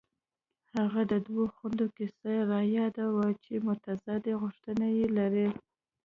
هغه د دوو خویندو کیسه رایادوي چې متضادې غوښتنې لري